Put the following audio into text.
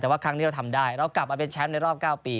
แต่ว่าครั้งนี้เราทำได้เรากลับมาเป็นแชมป์ในรอบ๙ปี